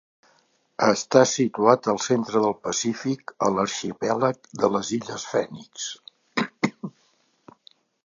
Està situat al centre del Pacífic, a l'arxipèlag de les illes Fènix.